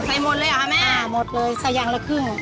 หมดเลยเหรอคะแม่หมดเลยใส่อย่างละครึ่ง